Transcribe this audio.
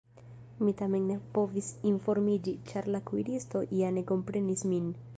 Mi tamen ne povis informiĝi, ĉar la kuiristo ja ne komprenis min.